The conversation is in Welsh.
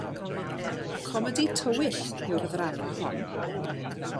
Comedi tywyll yw'r ddrama hon.